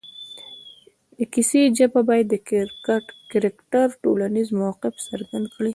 د کیسې ژبه باید د کرکټر ټولنیز موقف څرګند کړي